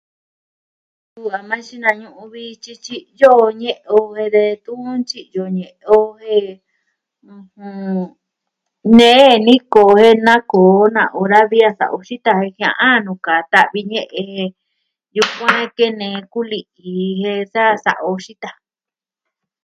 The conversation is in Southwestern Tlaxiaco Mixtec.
u... a maa xinañu'u vi tyi tyityi'yo ñe'e o uh ve de tun tyi'yo ñe'e o jen... ɨjɨn... nee niko jen nakoo o na'a o da vi a sa'a o xita jia'an nuu kata vi ñe'e. Yukuan kene kuli ji je sa sa'a o xita.